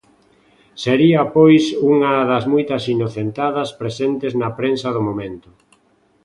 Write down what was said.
Sería pois unha das moitas inocentadas presentes na prensa do momento.